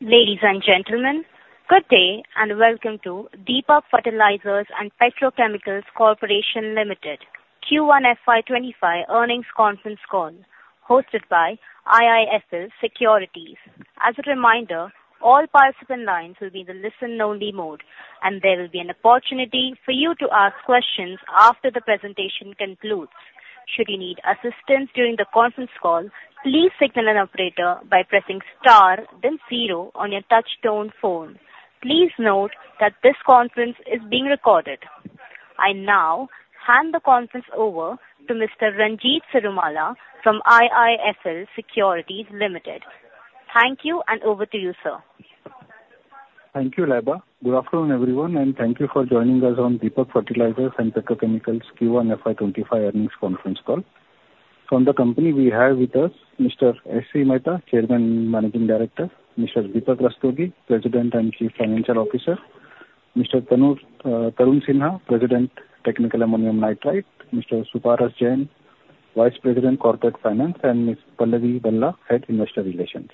Ladies and gentlemen, good day and welcome to Deepak Fertilisers and Petrochemicals Corporation Limited Q1 FY 2025 earnings conference call, hosted by IIFL Securities. As a reminder, all participant lines will be in the listen-only mode, and there will be an opportunity for you to ask questions after the presentation concludes. Should you need assistance during the conference call, please signal an operator by pressing star then zero on your touch-tone phone. Please note that this conference is being recorded. I now hand the conference over to Mr. Ranjit Cirumalla from IIFL Securities Limited. Thank you, and over to you, sir. Thank you, Laba. Good afternoon, everyone, and thank you for joining us on Deepak Fertilisers and Petrochemicals Q1FY25 earnings conference call. From the company, we have with us Mr. S.C. Mehta, Chairman and Managing Director, Mr. Deepak Rastogi, President and Chief Financial Officer, Mr. Tarun Sinha, President, Technical Ammonium Nitrate, Mr. Subhash Jain, Vice President, Corporate Finance, and Ms. Pallavi Bhalla, Head Investor Relations.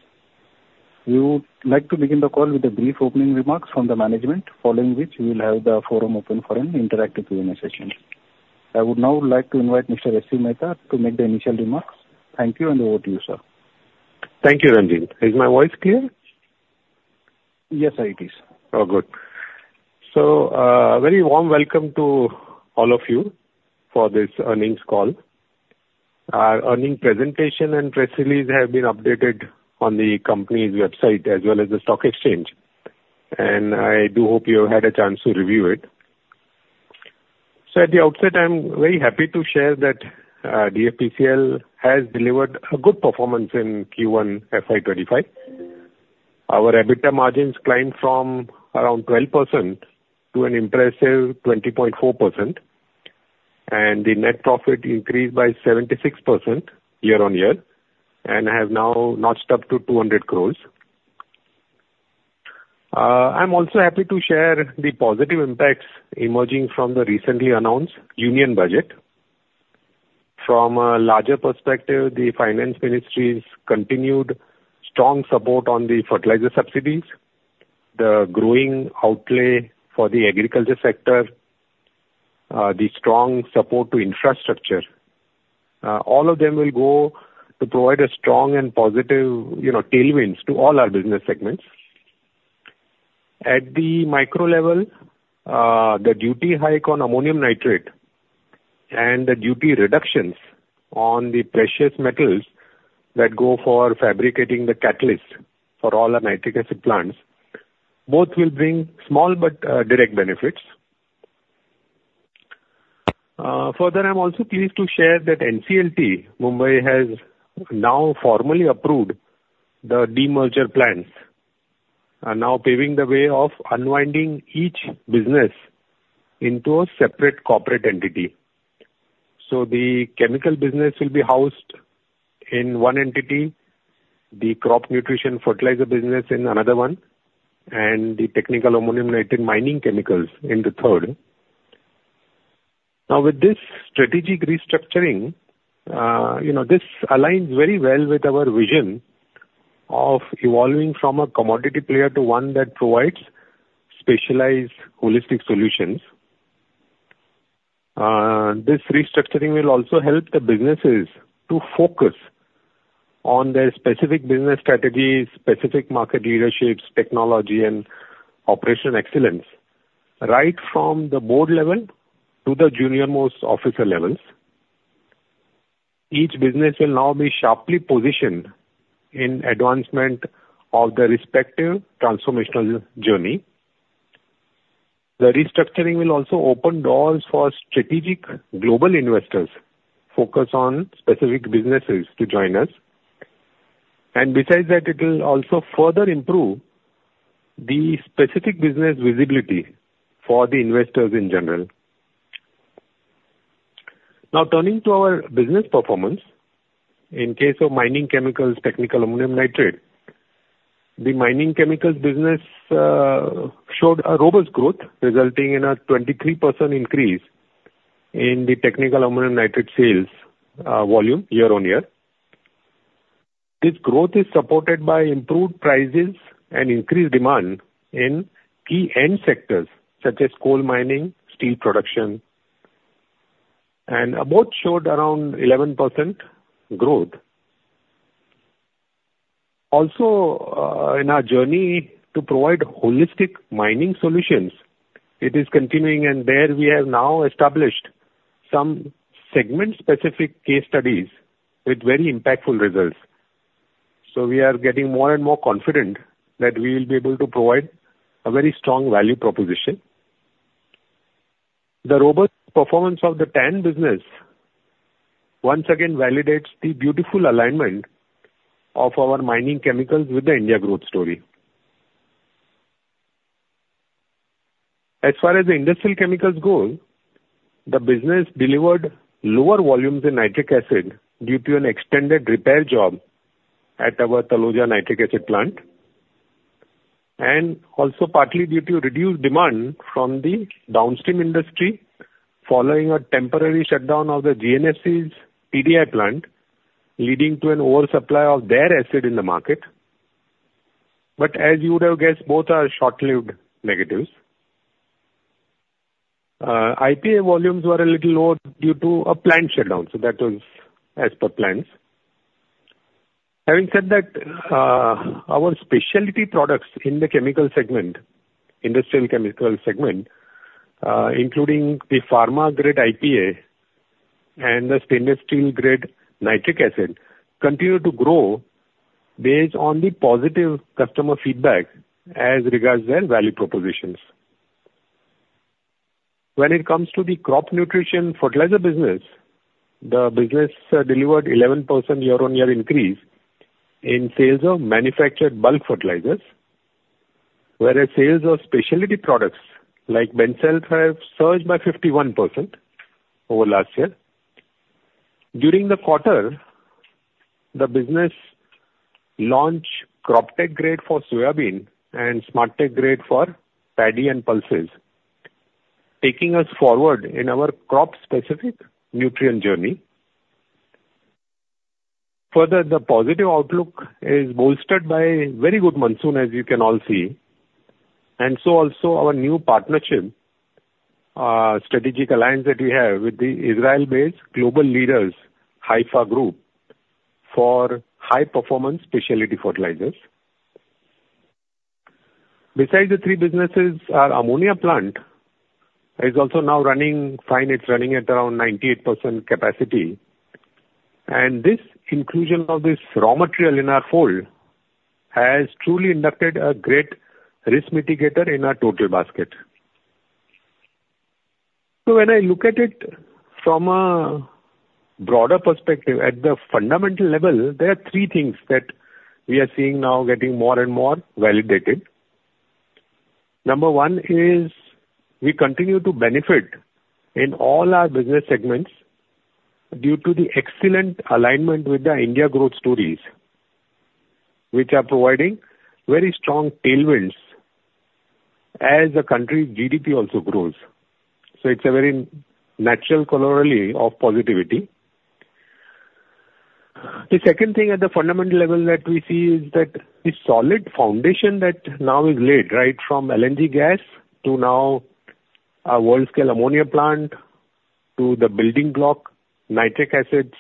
We would like to begin the call with a brief opening remarks from the management, following which we will have the floor open for an interactive Q&A session. I would now like to invite Mr. S.C. Mehta to make the initial remarks. Thank you, and the floor to you, sir. Thank you, Ranjit. Is my voice clear? Yes, sir, it is. Oh, good. So, a very warm welcome to all of you for this earnings call. Our earnings presentation and press release have been updated on the company's website as well as the stock exchange, and I do hope you have had a chance to review it. So, at the outset, I'm very happy to share that DFCL has delivered a good performance in Q1FY25. Our EBITDA margins climbed from around 12% to an impressive 20.4%, and the net profit increased by 76% year-on-year and has now notched up to 200 crore. I'm also happy to share the positive impacts emerging from the recently announced union budget. From a larger perspective, the Finance Ministry's continued strong support on the fertilizer subsidies, the growing outlay for the agriculture sector, the strong support to infrastructure, all of them will go to provide a strong and positive tailwind to all our business segments. At the micro level, the duty hike on ammonium nitrate and the duty reductions on the precious metals that go for fabricating the catalyst for all our nitric acid plants, both will bring small but direct benefits. Further, I'm also pleased to share that NCLT Mumbai has now formally approved the demerger plans, now paving the way of unwinding each business into a separate corporate entity. So, the chemical business will be housed in one entity, the crop nutrition fertilizer business in another one, and the technical ammonium nitrate mining chemicals in the third. Now, with this strategic restructuring, this aligns very well with our vision of evolving from a commodity player to one that provides specialized holistic solutions. This restructuring will also help the businesses to focus on their specific business strategies, specific market leaderships, technology, and operational excellence right from the board level to the junior-most officer levels. Each business will now be sharply positioned in advancement of their respective transformational journey. The restructuring will also open doors for strategic global investors' focus on specific businesses to join us. Besides that, it will also further improve the specific business visibility for the investors in general. Now, turning to our business performance, in case of mining chemicals, technical ammonium nitrate, the mining chemicals business showed a robust growth, resulting in a 23% increase in the technical ammonium nitrate sales volume year-on-year. This growth is supported by improved prices and increased demand in key end sectors such as coal mining, steel production, and both showed around 11% growth. Also, in our journey to provide holistic mining solutions, it is continuing, and there we have now established some segment-specific case studies with very impactful results. So, we are getting more and more confident that we will be able to provide a very strong value proposition. The robust performance of the TAN business once again validates the beautiful alignment of our mining chemicals with the India growth story. As far as the industrial chemicals go, the business delivered lower volumes of nitric acid due to an extended repair job at our Taloja nitric acid plant, and also partly due to reduced demand from the downstream industry following a temporary shutdown of the GNFC's TDI plant, leading to an oversupply of their acid in the market. But as you would have guessed, both are short-lived negatives. IPA volumes were a little lower due to a plant shutdown, so that was as per plans. Having said that, our specialty products in the chemical segment, industrial chemical segment, including the pharma-grade IPA and the stainless steel-grade nitric acid, continue to grow based on the positive customer feedback as regards their value propositions. When it comes to the crop nutrition fertilizer business, the business delivered an 11% year-on-year increase in sales of manufactured bulk fertilizers, whereas sales of specialty products like Bensulf have surged by 51% over last year. During the quarter, the business launched Croptek grade for soybean and Smartek grade for paddy and pulses, taking us forward in our crop-specific nutrient journey. Further, the positive outlook is bolstered by a very good monsoon, as you can all see, and so also our new partnership, strategic alliance that we have with the Israel-based global leaders, Haifa Group, for high-performance specialty fertilizers. Besides, the three businesses' ammonia plant is also now running fine. It's running at around 98% capacity, and this inclusion of this raw material in our fold has truly inducted a great risk mitigator in our total basket. So, when I look at it from a broader perspective at the fundamental level, there are three things that we are seeing now getting more and more validated. Number one is we continue to benefit in all our business segments due to the excellent alignment with the India growth stories, which are providing very strong tailwinds as the country's GDP also grows. So, it's a very natural corollary of positivity. The second thing at the fundamental level that we see is that the solid foundation that now is laid right from LNG gas to now a world-scale ammonia plant to the building block nitric acids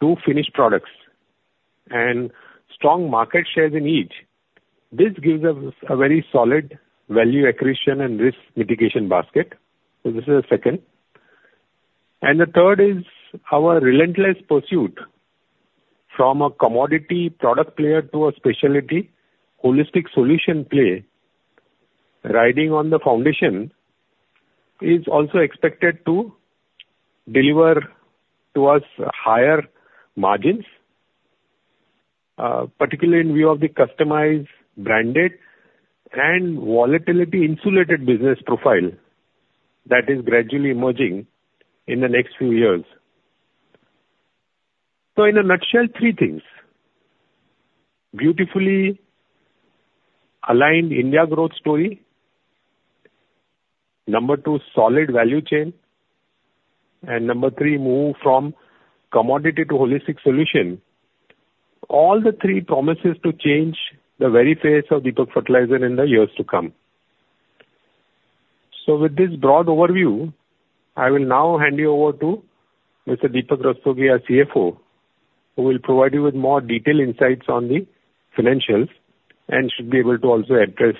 to finished products and strong market shares in each. This gives us a very solid value accretion and risk mitigation basket. So, this is the second. And the third is our relentless pursuit from a commodity product player to a specialty holistic solution play, riding on the foundation, is also expected to deliver to us higher margins, particularly in view of the customized, branded, and volatility-insulated business profile that is gradually emerging in the next few years. So, in a nutshell, three things: beautifully aligned India growth story, number two, solid value chain, and number three, move from commodity to holistic solution. All the three promises to change the very face of Deepak Fertilisers in the years to come. So, with this broad overview, I will now hand you over to Mr. Deepak Rastogi, our CFO, who will provide you with more detailed insights on the financials and should be able to also address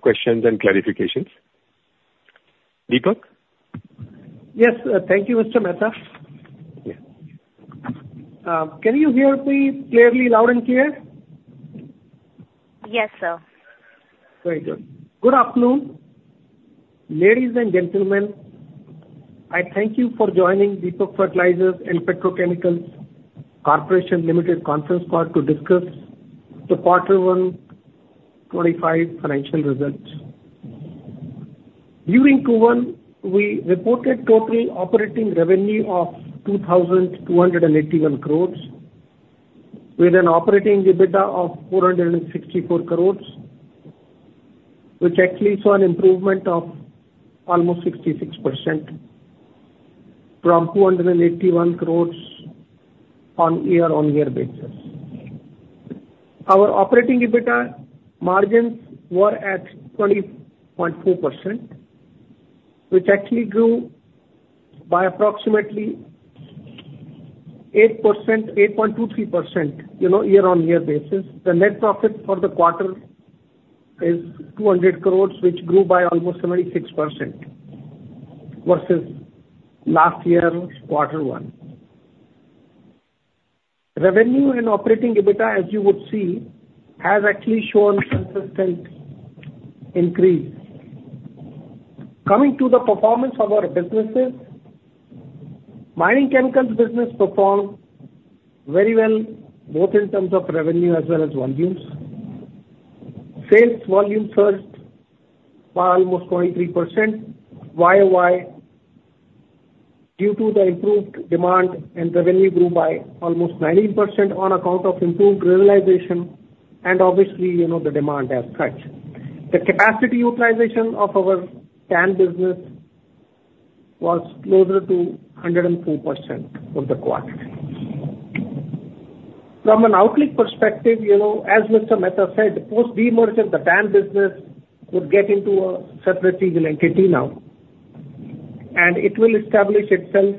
questions and clarifications. Deepak? Yes. Thank you, Mr. Mehta. Can you hear me clearly, loud and clear? Yes, sir. Very good. Good afternoon, ladies and gentlemen. I thank you for joining Deepak Fertilisers And Petrochemicals Corporation Limited conference call to discuss the quarter 25 financial results. During Q1, we reported total operating revenue of 2,281 crores, with an operating EBITDA of 464 crores, which actually saw an improvement of almost 66% from INR 281 crores on a year-on-year basis. Our operating EBITDA margins were at 20.4%, which actually grew by approximately 8.23% year-on-year basis. The net profit for the quarter is 200 crores, which grew by almost 76% versus last year's quarter one. Revenue and operating EBITDA, as you would see, has actually shown consistent increase. Coming to the performance of our businesses, mining chemicals business performed very well, both in terms of revenue as well as volumes. Sales volume surged by almost 23% year-over-year due to the improved demand and revenue grew by almost 19% on account of improved realization and obviously the demand as such. The capacity utilization of our TAN business was closer to 104% of the quarter. From an outlook perspective, as Mr. Mehta said, post-demerger, the TAN business would get into a separate legal entity now, and it will establish itself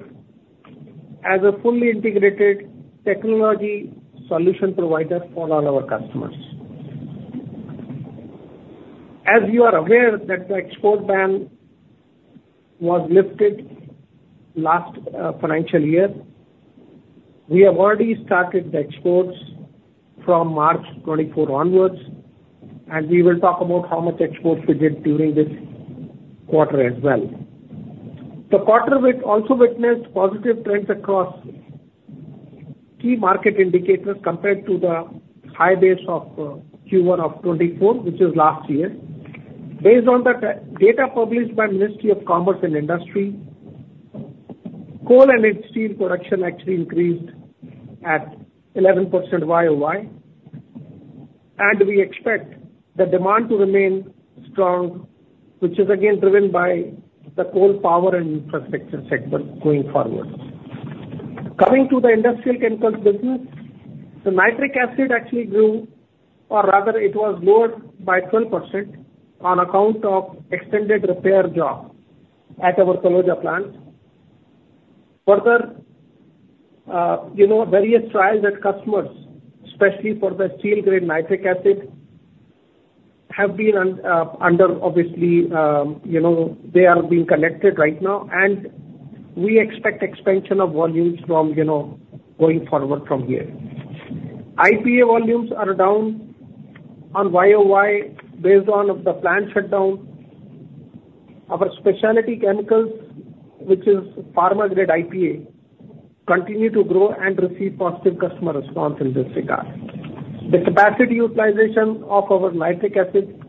as a fully integrated technology solution provider for all our customers. As you are aware, the export ban was lifted last financial year. We have already started the exports from March 2024 onwards, and we will talk about how much exports we did during this quarter as well. The quarter also witnessed positive trends across key market indicators compared to the high base of Q1 of 2024, which is last year. Based on the data published by the Ministry of Commerce and Industry, coal and steel production actually increased at 11% YoY, and we expect the demand to remain strong, which is again driven by the coal power and infrastructure segment going forward. Coming to the industrial chemicals business, the nitric acid actually grew, or rather it was lowered by 12% on account of extended repair job at our Taloja plant. Further, various trials at customers, especially for the steel-grade nitric acid, have been underway, obviously they are being conducted right now, and we expect expansion of volumes going forward from here. IPA volumes are down YoY based on the plant shutdown. Our specialty chemicals, which is pharma-grade IPA, continue to grow and receive positive customer response in this regard. The capacity utilization of our nitric acid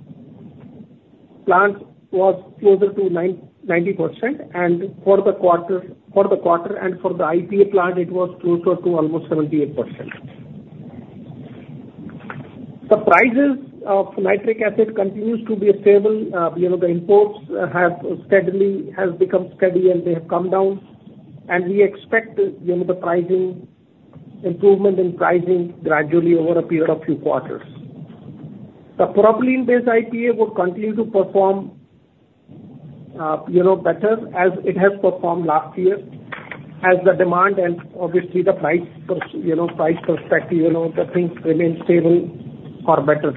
plant was closer to 90%, and for the quarter and for the IPA plant, it was closer to almost 78%. The prices of nitric acid continue to be stable. The imports have become steady, and they have come down, and we expect the improvement in pricing gradually over a period of few quarters. The propylene-based IPA would continue to perform better as it has performed last year as the demand and obviously the price perspective, the things remain stable or better.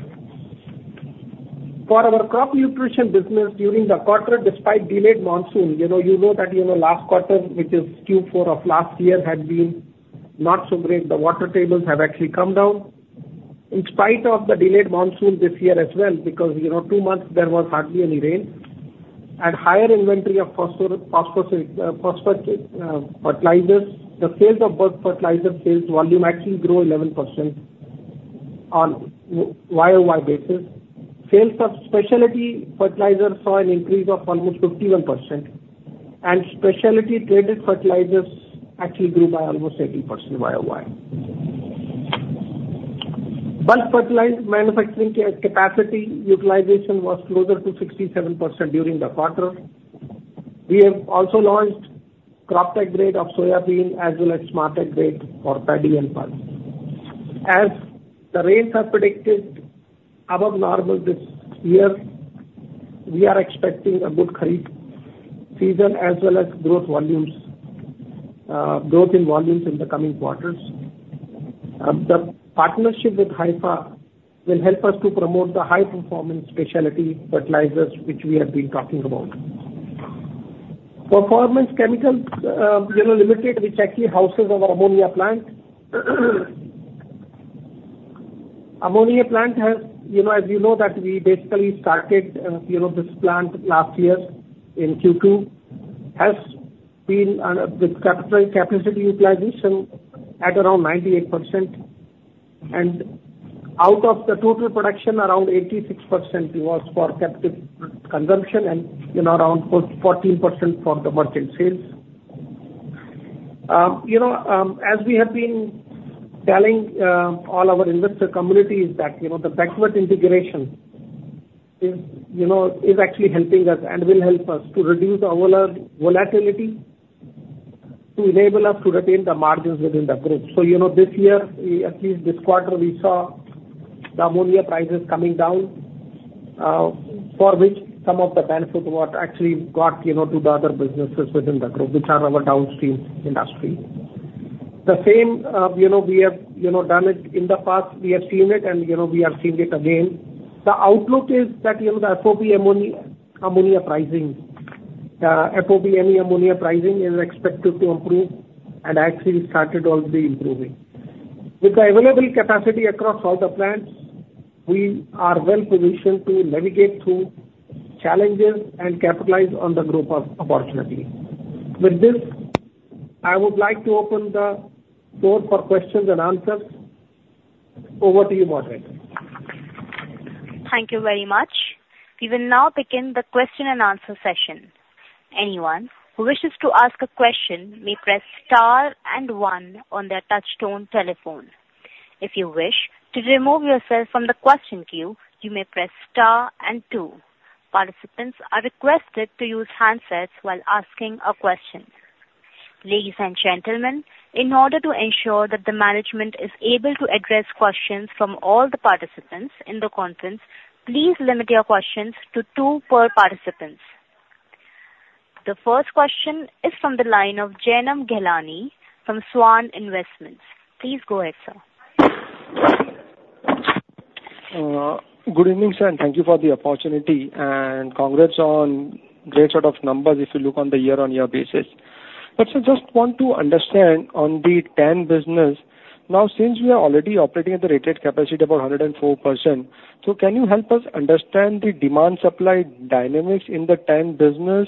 For our crop nutrition business during the quarter, despite delayed monsoon, you know that last quarter, which is Q4 of last year, had been not so great. The water tables have actually come down in spite of the delayed monsoon this year as well because two months there was hardly any rain. At higher inventory of phosphorus fertilizers, the sales of bird fertilizer sales volume actually grew 11% on YOY basis. Sales of specialty fertilizer saw an increase of almost 51%, and specialty-traded fertilizers actually grew by almost 80% YOY. Bulk fertilizer manufacturing capacity utilization was closer to 67% during the quarter. We have also launched Croptek grade of soybean as well as Smartek grade for paddy and pulses. As the rains are predicted above normal this year, we are expecting a good Kharif season as well as growth in volumes in the coming quarters. The partnership with Haifa will help us to promote the high-performance specialty fertilizers, which we have been talking about. Performance Chemiserve Limited, which actually houses our ammonia plant, as you know that we basically started this plant last year in Q2, has been with captive capacity utilization at around 98%, and out of the total production, around 86% was for captive consumption and around 14% for the merchant sales. As we have been telling all our investor communities that the backward integration is actually helping us and will help us to reduce our volatility to enable us to retain the margins within the group. So this year, at least this quarter, we saw the ammonia prices coming down, for which some of the benefits were actually got to the other businesses within the group, which are our downstream industry. The same, we have done it in the past. We have seen it, and we are seeing it again. The outlook is that the FOB ammonia pricing, FOBME ammonia pricing is expected to improve and actually started already improving. With the available capacity across all the plants, we are well positioned to navigate through challenges and capitalize on the growth opportunity. With this, I would like to open the floor for questions and answers. Over to you, moderator. Thank you very much. We will now begin the question and answer session. Anyone who wishes to ask a question may press star and one on their touch-tone telephone. If you wish to remove yourself from the question queue, you may press star and two. Participants are requested to use handsets while asking a question. Ladies and gentlemen, in order to ensure that the management is able to address questions from all the participants in the conference, please limit your questions to two per participant. The first question is from the line of Janam Gehlani from Swan Investments. Please go ahead, sir. Good evening, sir. Thank you for the opportunity and congrats on a great set of numbers if you look on the year-on-year basis. But sir, just want to understand on the TAN business. Now, since we are already operating at the rated capacity of about 104%, so can you help us understand the demand-supply dynamics in the TAN business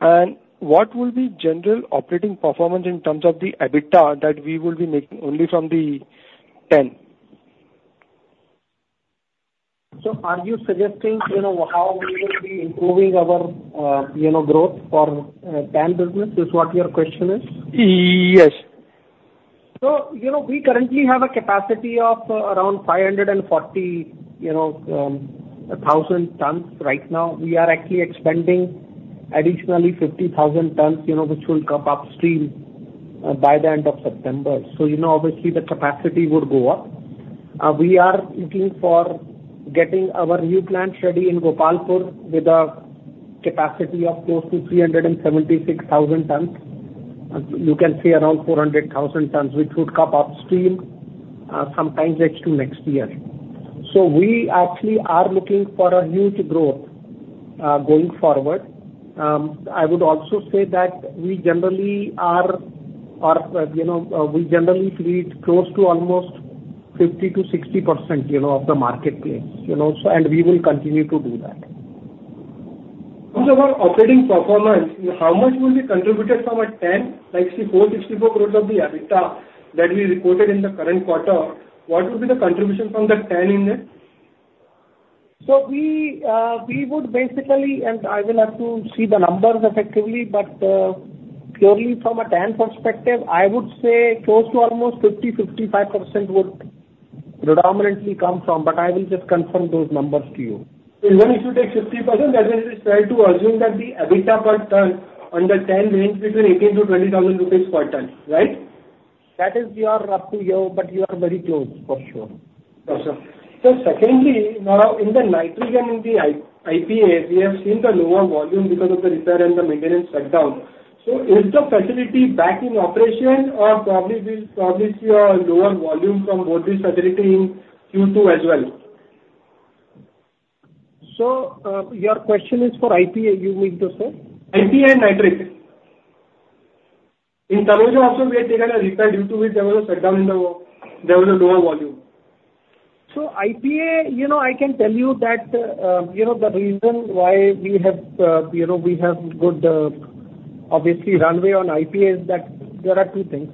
and what will be general operating performance in terms of the EBITDA that we will be making only from the TAN? So are you suggesting how we will be improving our growth for TAN business is what your question is? Yes. So we currently have a capacity of around 540,000 tons. Right now, we are actually expanding additionally 50,000 tons, which will come on stream by the end of September. So obviously, the capacity would go up. We are looking for getting our new plant ready in Gopalpur with a capacity of close to 376,000 tons. You can see around 400,000 tons, which would come on stream sometime next to next year. So we actually are looking for a huge growth going forward. I would also say that we generally are or we generally lead close to almost 50%-60% of the marketplace, and we will continue to do that. So for operating performance, how much will be contributed from a TAN, like 64 crore, 64 crore of the EBITDA that we reported in the current quarter? What will be the contribution from the TAN in it? So we would basically and I will have to see the numbers effectively, but purely from a TAN perspective, I would say close to almost 50%-55% would predominantly come from, but I will just confirm those numbers to you. Even if you take 50%, that means it is fair to assume that the EBITDA per ton under TAN range between 18,000-20,000 rupees per ton, right? That is up to you, but you are very close for sure. Yes, sir. So secondly, now in the nitric and the IPA, we have seen the lower volume because of the repair and the maintenance shutdown. So is the facility back in operation or probably will probably see a lower volume from both these facilities in Q2 as well? So your question is for IPA, you mean to say? IPA and nitrate. In Taloja, also, we had taken a repair due to which there was a shutdown in the. There was a lower volume. So IPA, I can tell you that the reason why we have good, obviously, runway on IPA is that there are two things.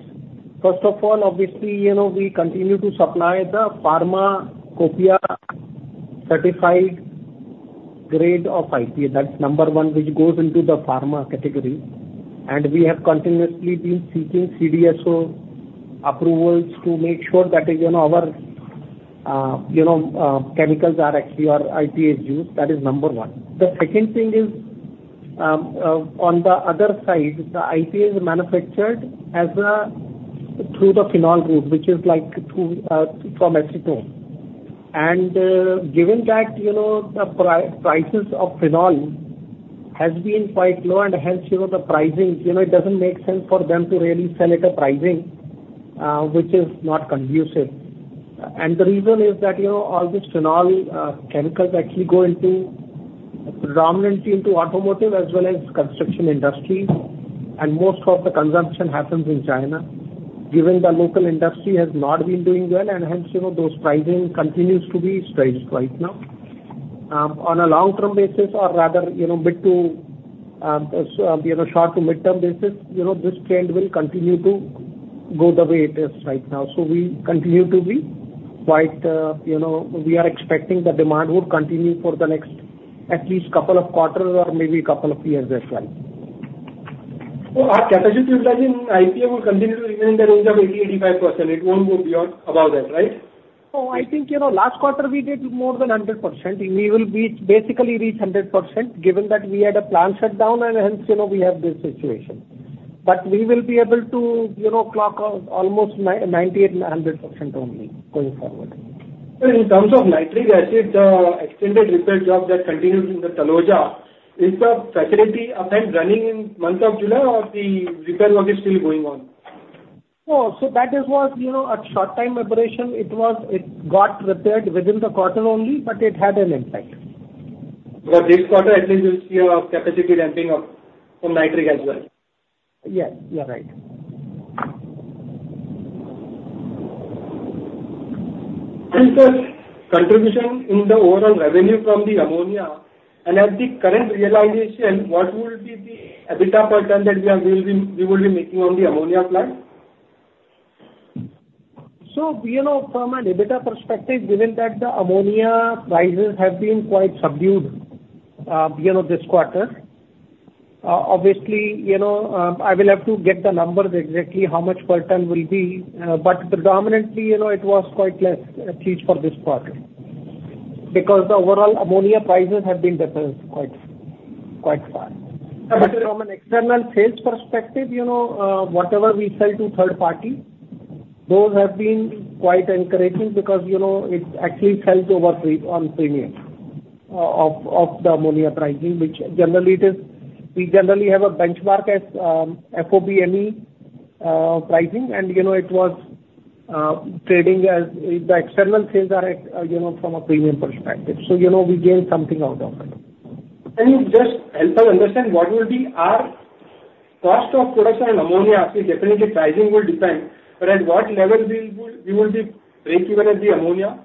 First of all, obviously, we continue to supply the pharmacopoeia certified grade of IPA. That's number one, which goes into the pharma category. And we have continuously been seeking CDSCO approvals to make sure that our chemicals are actually our IPA is used. That is number one. The second thing is, on the other side, the IPA is manufactured through the phenol route, which is like from ethylene. And given that the prices of phenol has been quite low and hence the pricing, it doesn't make sense for them to really sell it at pricing, which is not conducive. The reason is that all these phenol chemicals actually go predominantly into automotive as well as construction industry, and most of the consumption happens in China, given the local industry has not been doing well, and hence those pricing continues to be strange right now. On a long-term basis, or rather short to mid-term basis, this trend will continue to go the way it is right now. So we continue to be quite we are expecting the demand would continue for the next at least couple of quarters or maybe a couple of years as well. Our capacity utilizing IPA will continue to remain in the range of 80%-85%. It won't go beyond above that, right? Oh, I think last quarter we did more than 100%. We will basically reach 100% given that we had a plant shutdown and hence we have this situation. But we will be able to clock almost 98%-100% only going forward. So in terms of nitric acid, the extended repair job that continues in the Taloja, is the facility up and running in month of July or the repair work is still going on? Oh, so that was a short-time operation. It got repaired within the quarter only, but it had an impact. But this quarter, at least, you see a capacity ramping up from nitrate as well. Yes, you're right. Sir, contribution in the overall revenue from the ammonia, and at the current realization, what will be the EBITDA per ton that we will be making on the ammonia plant? So from an EBITDA perspective, given that the ammonia prices have been quite subdued this quarter, obviously, I will have to get the numbers exactly how much per ton will be, but predominantly, it was quite less at least for this quarter because the overall ammonia prices have been different quite far. But from an external sales perspective, whatever we sell to third party, those have been quite encouraging because it actually sells over on premium of the ammonia pricing, which generally we generally have a benchmark as FOBME pricing, and it was trading as the external sales are from a premium perspective. So we gained something out of it. Can you just help us understand what will be our cost of production on ammonia? Definitely, pricing will depend. But at what level we will be break even at the ammonia?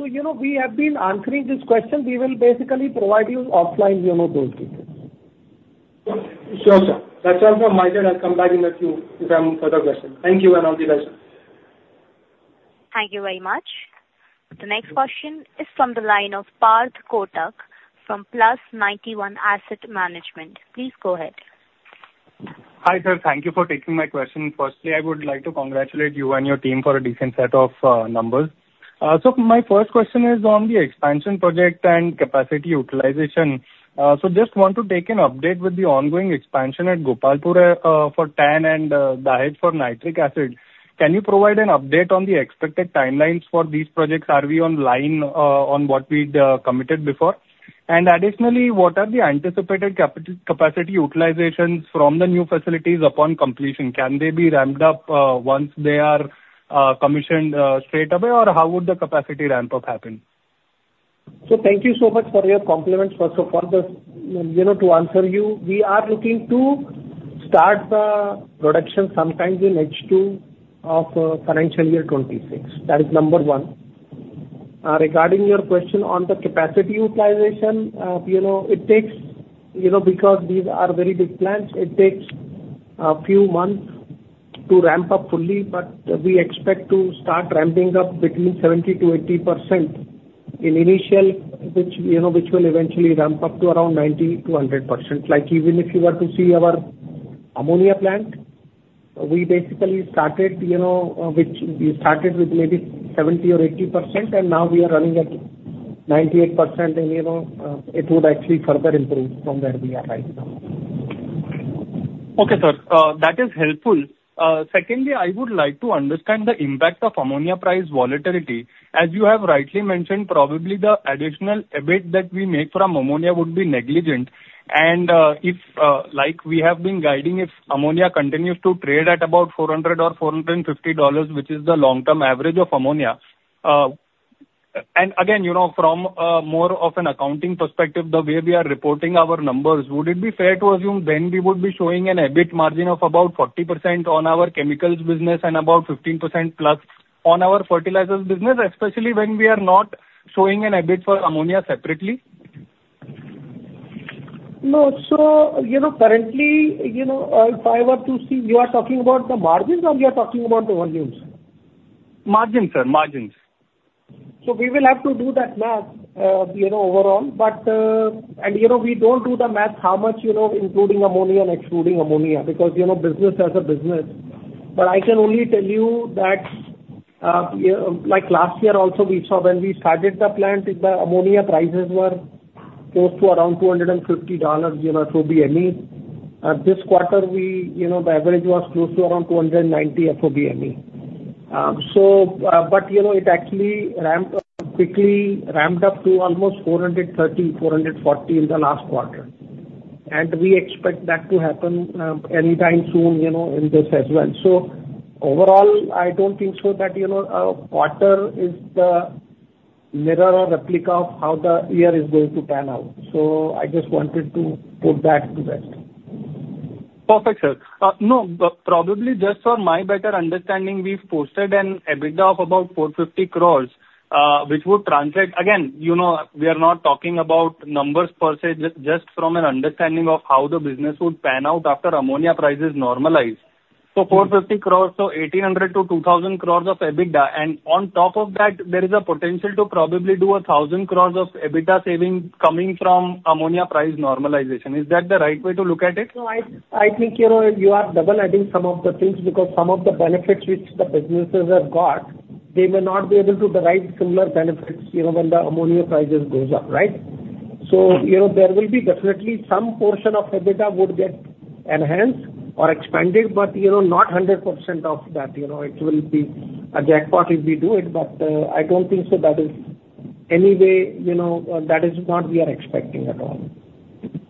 We have been answering this question. We will basically provide you offline those details. Sure, sir. That's all from my side. I'll come back in a few if I have further questions. Thank you and all the best. Thank you very much. The next question is from the line of Parth Kotak from Plus91 Capital. Please go ahead. Hi sir, thank you for taking my question. Firstly, I would like to congratulate you and your team for a decent set of numbers. My first question is on the expansion project and capacity utilization. Just want to take an update with the ongoing expansion at Gopalpur for TAN and Dahej for nitric acid. Can you provide an update on the expected timelines for these projects? Are we on line on what we committed before? And additionally, what are the anticipated capacity utilizations from the new facilities upon completion? Can they be ramped up once they are commissioned straight away, or how would the capacity ramp-up happen? So thank you so much for your compliments. First of all, to answer you, we are looking to start the production sometime in H2 of financial year 2026. That is number one. Regarding your question on the capacity utilization, it takes because these are very big plants, it takes a few months to ramp up fully, but we expect to start ramping up between 70%-80% in initial, which will eventually ramp up to around 90%-100%. Even if you were to see our ammonia plant, we basically started with maybe 70% or 80%, and now we are running at 98%, and it would actually further improve from where we are right now. Okay, sir. That is helpful. Secondly, I would like to understand the impact of ammonia price volatility. As you have rightly mentioned, probably the additional EBIT that we make from ammonia would be negligible. And if we have been guiding if ammonia continues to trade at about $400-$450, which is the long-term average of ammonia, and again, from more of an accounting perspective, the way we are reporting our numbers, would it be fair to assume then we would be showing an EBIT margin of about 40% on our chemicals business and about 15%+ on our fertilizers business, especially when we are not showing an EBIT for ammonia separately? No, so currently, if I were to see, you are talking about the margins or you are talking about the volumes? Margins, sir. Margins. So we will have to do that math overall, but we don't do the math how much including ammonia and excluding ammonia because business as a business. But I can only tell you that last year also, when we started the plant, the ammonia prices were close to around $250 FOBME. This quarter, the average was close to around $290 FOBME. But it actually ramped up quickly, ramped up to almost $430-$440 in the last quarter. And we expect that to happen anytime soon in this as well. So overall, I don't think so that a quarter is the mirror or replica of how the year is going to pan out. So I just wanted to put that to rest. Perfect, sir. No, probably just for my better understanding, we've posted an EBITDA of about 450 crore, which would translate. Again, we are not talking about numbers per se, just from an understanding of how the business would pan out after ammonia prices normalize. So 450 crore, so 1,800 crore-2,000 crore of EBITDA, and on top of that, there is a potential to probably do 1,000 crore of EBITDA saving coming from ammonia price normalization. Is that the right way to look at it? No, I think you are doubling some of the things because some of the benefits which the businesses have got, they will not be able to derive similar benefits when the ammonia prices go up, right? So there will be definitely some portion of EBITDA would get enhanced or expanded, but not 100% of that. It will be a jackpot if we do it, but I don't think so that is anyway, that is not we are expecting at all.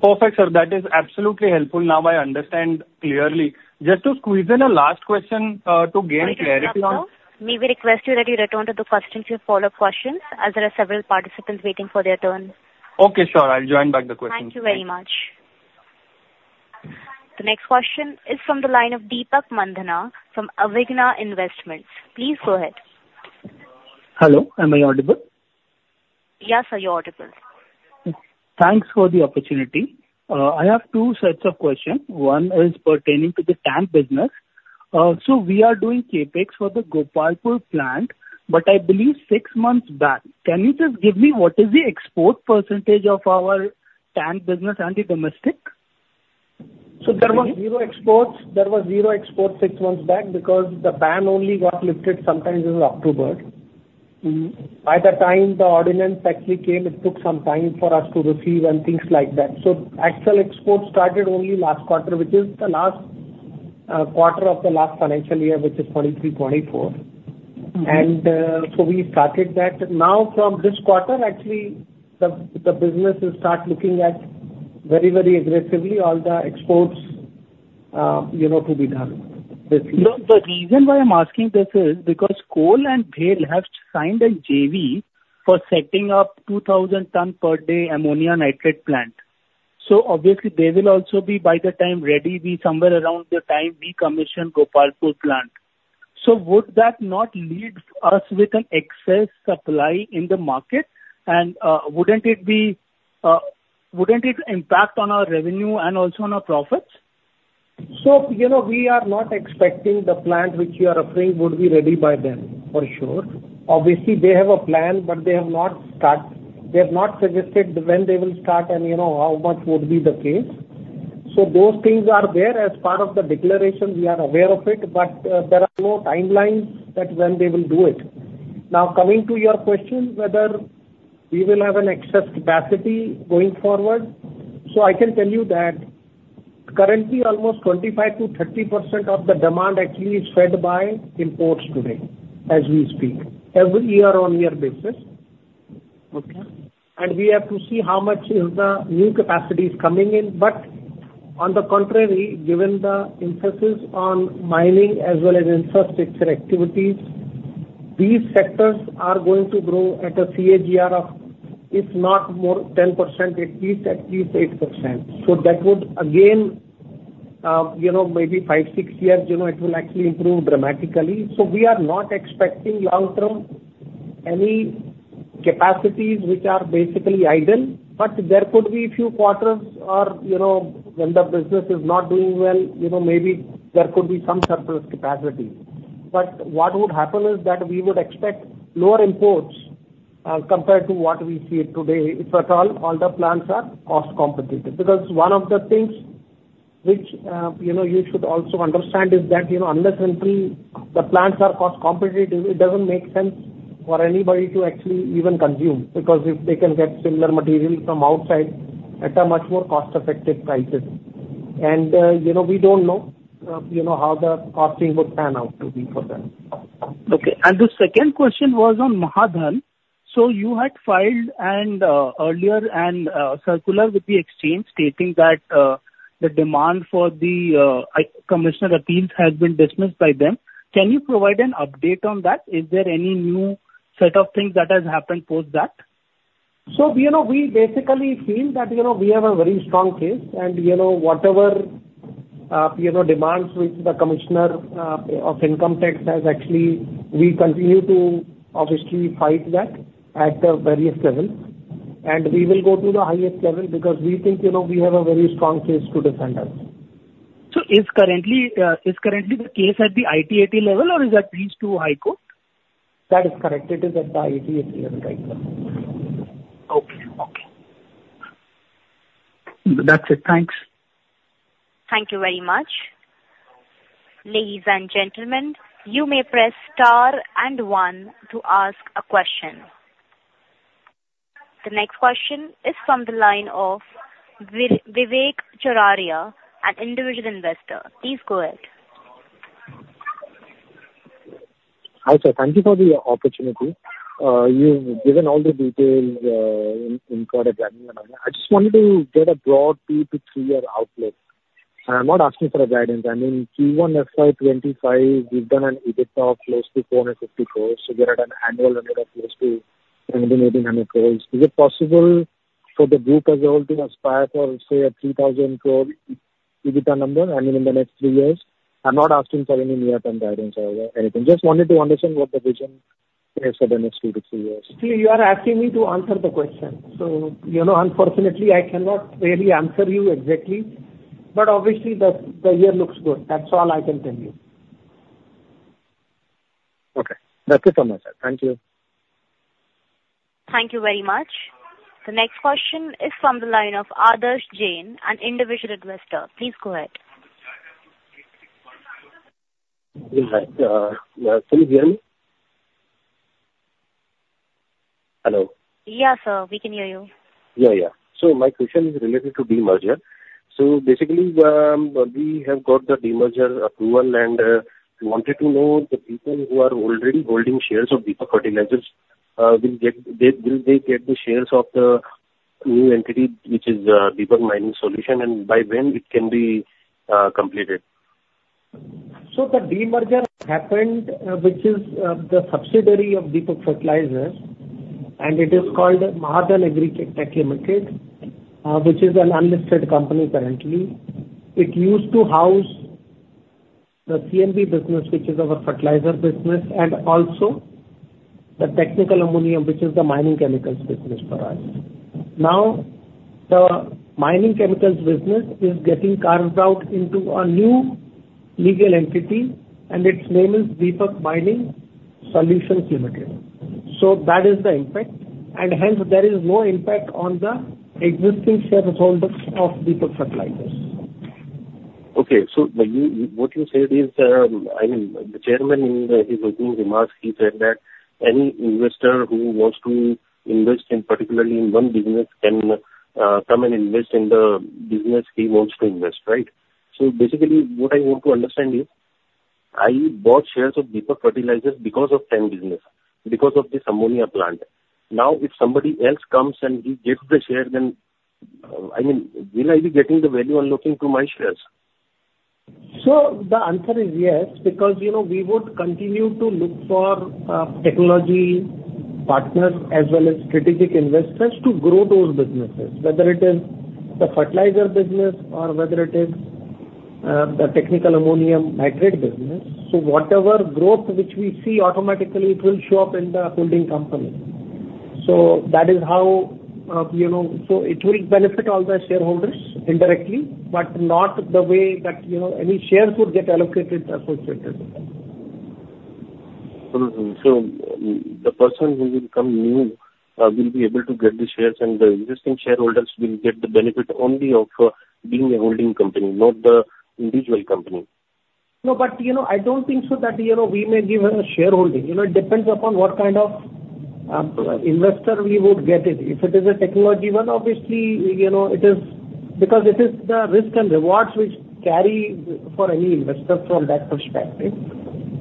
Perfect, sir. That is absolutely helpful. Now I understand clearly. Just to squeeze in a last question to gain clarity on. Thank you, sir. We will request that you return to the queue with follow-up questions as there are several participants waiting for their turn. Okay, sure. I'll join back the questions. Thank you very much. The next question is from the line of Deepak Mandhana from Avigna Investments. Please go ahead. Hello, am I audible? Yes, sir, you're audible. Thanks for the opportunity. I have two sets of questions. One is pertaining to the TAN business. So we are doing CapEx for the Gopalpur plant, but I believe six months back. Can you just give me what is the export percentage of our TAN business and the domestic? So there was zero exports. There was zero exports six months back because the ban only got lifted sometime in October. By the time the ordinance actually came, it took some time for us to receive and things like that. So actual exports started only last quarter, which is the last quarter of the last financial year, which is 2023, 2024. And so we started that. Now from this quarter, actually, the businesses start looking at very, very aggressively all the exports to be done this year. The reason why I'm asking this is because Coal and Vale have signed a JV for setting up a 2,000-ton-per-day ammonium nitrate plant. So obviously, they will also be by the time ready, be somewhere around the time we commission Gopalpur plant. So would that not leave us with an excess supply in the market, and wouldn't it impact on our revenue and also on our profits? So we are not expecting the plant which you are offering would be ready by then, for sure. Obviously, they have a plan, but they have not start. They have not suggested when they will start and how much would be the case. So those things are there as part of the declaration. We are aware of it, but there are no timelines that when they will do it. Now, coming to your question, whether we will have an excess capacity going forward, so I can tell you that currently, almost 25%-30% of the demand actually is fed by imports today as we speak, every year on year basis. And we have to see how much is the new capacity is coming in. But on the contrary, given the emphasis on mining as well as infrastructure activities, these sectors are going to grow at a CAGR of, if not more, 10%, at least 8%. So that would, again, maybe 5, 6 years, it will actually improve dramatically. So we are not expecting long-term any capacities which are basically idle, but there could be a few quarters when the business is not doing well, maybe there could be some surplus capacity. But what would happen is that we would expect lower imports compared to what we see today if at all all the plants are cost competitive. Because one of the things which you should also understand is that unless until the plants are cost competitive, it doesn't make sense for anybody to actually even consume because if they can get similar material from outside at a much more cost-effective prices. We don't know how the costing would pan out to be for them. Okay. And the second question was on Mahadhan. So you had filed earlier and circular with the exchange stating that the demand for the commissioner appeals has been dismissed by them. Can you provide an update on that? Is there any new set of things that has happened post that? We basically feel that we have a very strong case, and whatever demands which the Commissioner of Income Tax has actually, we continue to obviously fight that at the various levels. We will go to the highest level because we think we have a very strong case to defend us. So is currently the case at the ITAT level or is that leased to ICO? That is correct. It is at the ITAT level right now. Okay. Okay. That's it. Thanks. Thank you very much. Ladies and gentlemen, you may press star and one to ask a question. The next question is from the line of Vivek Chiraria, an individual investor. Please go ahead. Hi sir, thank you for the opportunity. You've given all the details in for the guidance. I just wanted to get a broad 2-3-year outlook. I'm not asking for a guidance. I mean, Q1 FY 2025, we've done an EBITDA of close to 450 crore, so we're at an annual limit of close to 1,800 crore. Is it possible for the group as a whole to aspire for, say, a 3,000 crore EBITDA number, I mean, in the next three years? I'm not asking for any near-term guidance or anything. Just wanted to understand what the vision is for the next 2-3 years. You are asking me to answer the question. So unfortunately, I cannot really answer you exactly, but obviously, the year looks good. That's all I can tell you. Okay. That's it from my side. Thank you. Thank you very much. The next question is from the line of Adarsh Jain, an individual investor. Please go ahead. Hello? Yeah, can you hear me? Hello. Yes, sir, we can hear you. Yeah, yeah. So my question is related to demerger. So basically, we have got the demerger approval, and we wanted to know the people who are already holding shares of Deepak Fertilisers, will they get the shares of the new entity, which is Deepak Mining Solutions, and by when it can be completed? So the demerger happened, which is the subsidiary of Deepak Fertilisers, and it is called Mahadhan Agritech Limited, which is an unlisted company currently. It used to house the CNB business, which is our fertilizer business, and also the technical ammonium nitrate, which is the mining chemicals business for us. Now, the mining chemicals business is getting carved out into a new legal entity, and its name is Deepak Mining Solutions Limited. So that is the impact, and hence, there is no impact on the existing shareholders of Deepak Fertilisers. Okay. So what you said is, I mean, the chairman, in his opening remarks, he said that any investor who wants to invest in particularly in one business can come and invest in the business he wants to invest, right? So basically, what I want to understand is, I bought shares of Deepak Fertilizers because of TAN business, because of this ammonia plant. Now, if somebody else comes and he gets the shares, then I mean, will I be getting the value on looking to my shares? So the answer is yes because we would continue to look for technology partners as well as strategic investors to grow those businesses, whether it is the fertilizer business or whether it is the technical ammonium nitrate business. So whatever growth which we see automatically, it will show up in the holding company. So that is how it will benefit all the shareholders indirectly, but not the way that any shares would get allocated associated. The person who will come new will be able to get the shares, and the existing shareholders will get the benefit only of being a holding company, not the individual company. No, but I don't think so that we may give a shareholding. It depends upon what kind of investor we would get it. If it is a technology one, obviously, it is because it is the risk and rewards which carry for any investor from that perspective.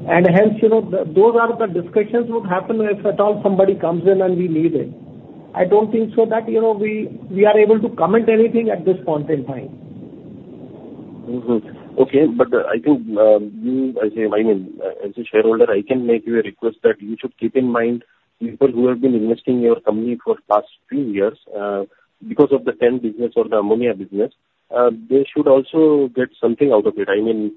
And hence, those are the discussions would happen if at all somebody comes in and we need it. I don't think so that we are able to comment anything at this point in time. Okay. But I think you, as a shareholder, I can make you a request that you should keep in mind people who have been investing in your company for the past few years because of the TAN business or the ammonia business. They should also get something out of it. I mean,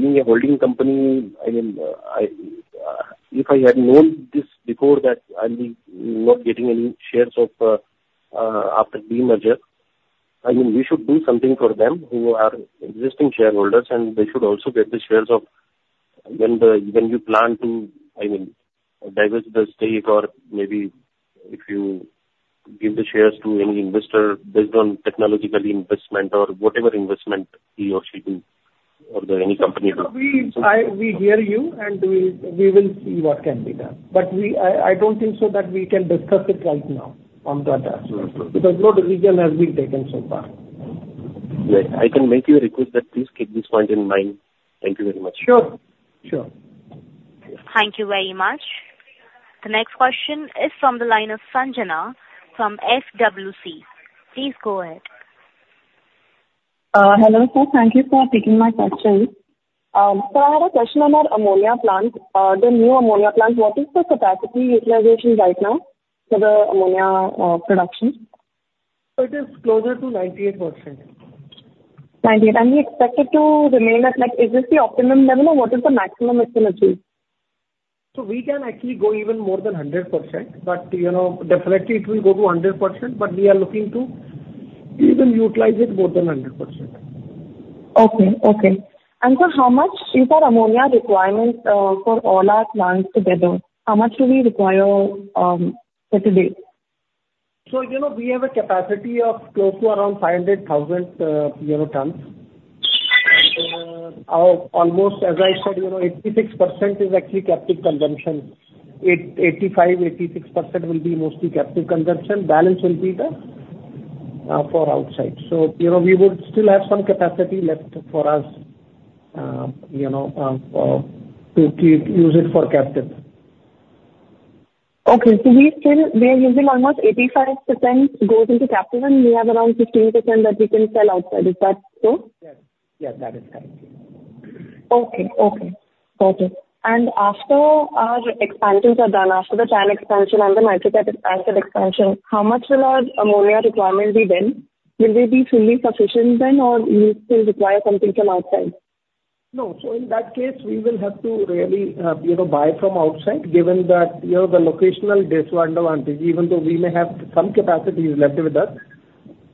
being a holding company, I mean, if I had known this before that I'm not getting any shares after demerger, I mean, we should do something for them who are existing shareholders, and they should also get the shares of when you plan to, I mean, divest the stake or maybe if you give the shares to any investor based on technological investment or whatever investment he or she do or any company do. We hear you, and we will see what can be done. But I don't think so that we can discuss it right now on that aspect because no decision has been taken so far. Right. I can make you a request that please keep this point in mind. Thank you very much. Sure. Sure. Thank you very much. The next question is from the line of Sanjana from FWC. Please go ahead. Hello, sir. Thank you for taking my question. I had a question on that ammonia plant, the new ammonia plant. What is the capacity utilization right now for the ammonia production? It is closer to 98%. 98%. And we expected to remain at, is this the optimum level, or what is the maximum it can achieve? We can actually go even more than 100%, but definitely, it will go to 100%, but we are looking to even utilize it more than 100%. Okay. Okay. And so how much is our ammonia requirement for all our plants together? How much do we require for today? So we have a capacity of close to around 500,000 tons. Almost, as I said, 86% is actually captive consumption. 85%-86% will be mostly captive consumption. The balance will be for outside. So we would still have some capacity left for us to use it for captive. Okay. So we are using almost 85% goes into captive, and we have around 15% that we can sell outside. Is that so? Yes. Yes, that is correct. Okay. Okay. Got it. And after our expansions are done, after the TAN expansion and the nitric acid expansion, how much will our ammonia requirement be then? Will we be fully sufficient then, or we still require something from outside? No. So in that case, we will have to really buy from outside given that the locational disadvantage, even though we may have some capacity left with us,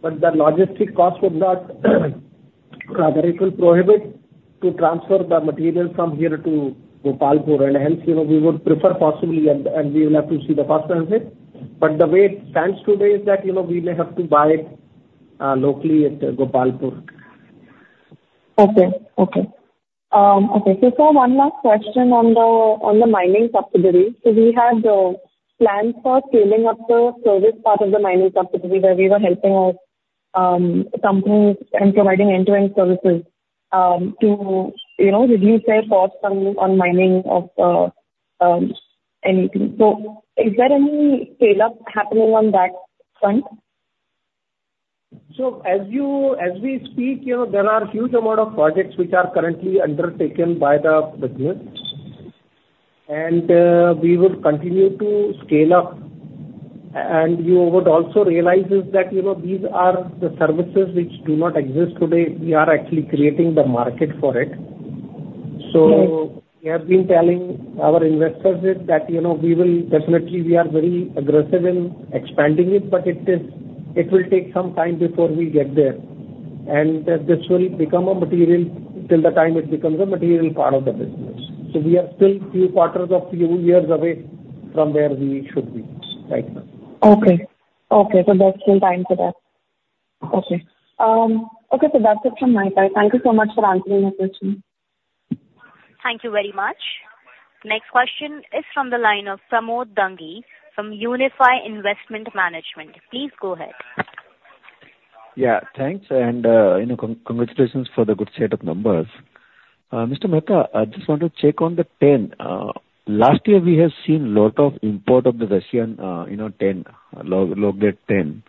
but the logistic cost, it will prohibit to transfer the material from here to Gopalpur, and hence, we would prefer possibly, and we will have to see the cost of it. But the way it stands today is that we may have to buy it locally at Gopalpur. Okay. So one last question on the mining subsidiary. So we had plans for scaling up the service part of the mining subsidiary where we were helping out companies and providing end-to-end services to reduce their cost on mining of anything. So is there any scale-up happening on that front? As we speak, there are a huge amount of projects which are currently undertaken by the business, and we will continue to scale up. You would also realize that these are the services which do not exist today. We are actually creating the market for it. We have been telling our investors that we will definitely, we are very aggressive in expanding it, but it will take some time before we get there. This will become a material till the time it becomes a material part of the business. We are still a few quarters of a few years away from where we should be right now. Okay. Okay. So there's still time for that. Okay. Okay. So that's it from my side. Thank you so much for answering my question. Thank you very much. Next question is from the line of Pramod Dangi from Unifi Capital. Please go ahead. Yeah. Thanks. And congratulations for the good set of numbers. Mr. Mehta, I just want to check on the TAN. Last year, we have seen a lot of import of the Russian TAN, low-grade TAN.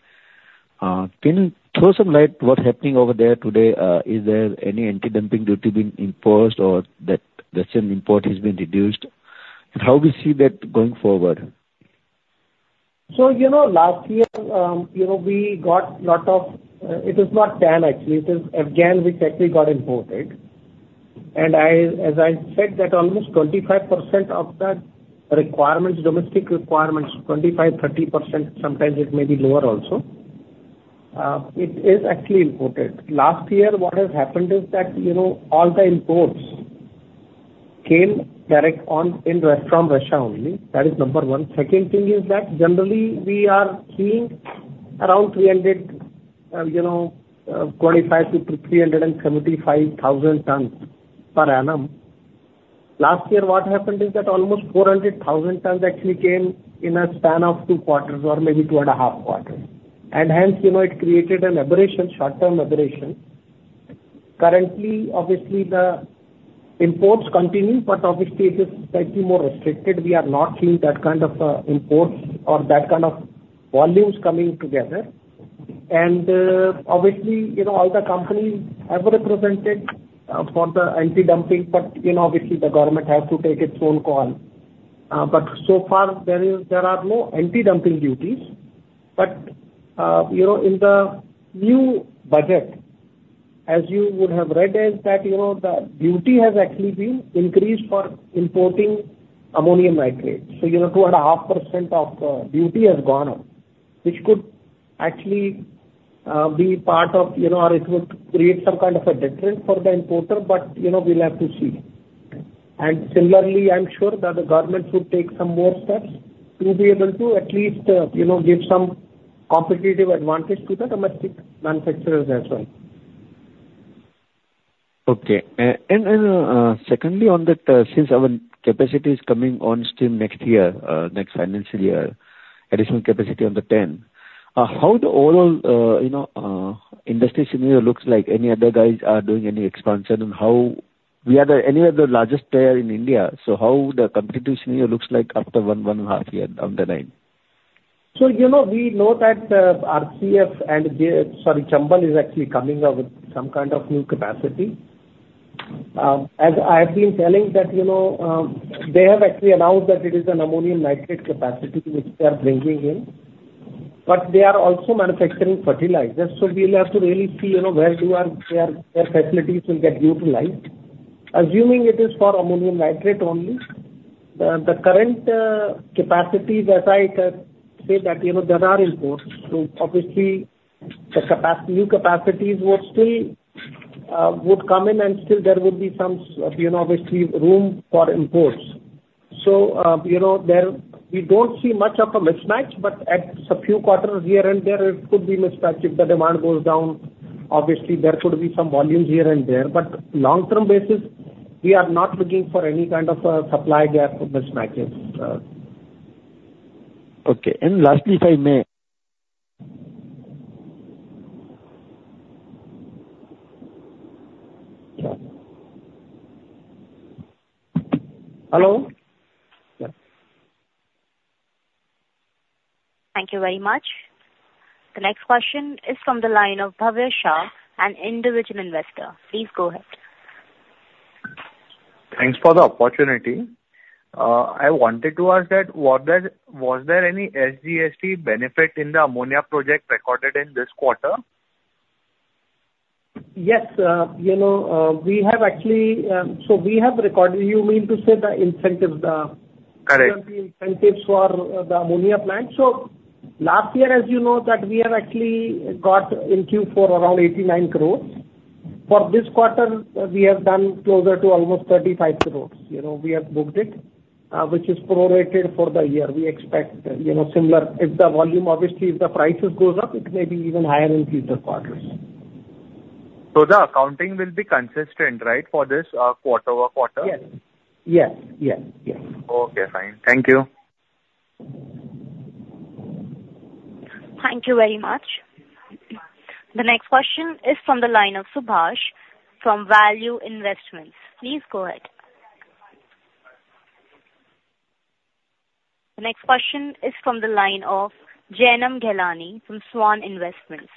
Can you throw some light on what's happening over there today? Is there any anti-dumping duty being imposed or that Russian import has been reduced? And how do we see that going forward? So last year, we got a lot of it is not TAN, actually. It is AN, which actually got imported. And as I said, that almost 25% of the requirements, domestic requirements, 25%-30%, sometimes it may be lower also. It is actually imported. Last year, what has happened is that all the imports came direct from Russia only. That is number one. Second thing is that generally, we are seeing around 325,000-375,000 tons per annum. Last year, what happened is that almost 400,000 tons actually came in a span of two quarters or maybe two and a half quarters. And hence, it created a short-term aberration. Currently, obviously, the imports continue, but obviously, it is slightly more restricted. We are not seeing that kind of imports or that kind of volumes coming together. Obviously, all the companies have represented for the anti-dumping, but obviously, the government has to take its own call. But so far, there are no anti-dumping duties. But in the new budget, as you would have read, is that the duty has actually been increased for importing ammonium nitrate. So 2.5% of the duty has gone up, which could actually be part of, or it would create some kind of a difference for the importer, but we'll have to see. And similarly, I'm sure that the government should take some more steps to be able to at least give some competitive advantage to the domestic manufacturers as well. Okay. And secondly, since our capacity is coming on stream next year, next financial year, additional capacity on the TAN, how the overall industry scenario looks like? Any other guys are doing any expansion? And we are the largest player in India. So how the competitive scenario looks like after one and a half years, underline? So we know that RCF and, sorry, Chambal is actually coming up with some kind of new capacity. As I have been telling, they have actually announced that it is an ammonium nitrate capacity which they are bringing in. But they are also manufacturing fertilizers. So we'll have to really see where their facilities will get utilized. Assuming it is for ammonium nitrate only, the current capacity, as I said, that there are imports. So obviously, the new capacities would come in, and still there would be some, obviously, room for imports. So we don't see much of a mismatch, but at a few quarters here and there, it could be mismatched. If the demand goes down, obviously, there could be some volumes here and there. But long-term basis, we are not looking for any kind of supply gap mismatches. Okay. Lastly, if I may. Hello? Thank you very much. The next question is from the line of Bhavesh, an individual investor. Please go ahead. Thanks for the opportunity. I wanted to ask that, was there any SGST benefit in the ammonia project recorded in this quarter? Yes. We have actually so we have recorded, you mean to say the incentives, the government incentives for the ammonia plant. So last year, as you know, that we have actually got into for around 89 crore. For this quarter, we have done closer to almost 35 crore. We have booked it, which is prorated for the year. We expect similar if the volume, obviously, if the prices go up, it may be even higher in future quarters. The accounting will be consistent, right, for this quarter-over-quarter? Yes. Yes. Yes. Yes. Okay. Fine. Thank you. Thank you very much. The next question is from the line of Subhash from Value Investments. Please go ahead. The next question is from the line of Janam Ghelani from Swan Investments.